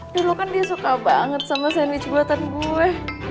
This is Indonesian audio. dulu kan dia suka banget sama sandwich buatan gue